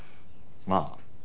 まあ。